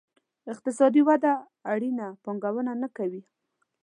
اقتصادي وده اړینه پانګونه نه کوي.